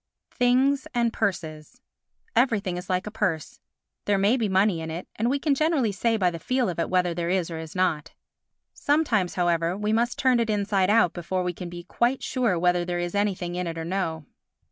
Things and Purses Everything is like a purse—there may be money in it, and we can generally say by the feel of it whether there is or is not. Sometimes, however, we must turn it inside out before we can be quite sure whether there is anything in it or no.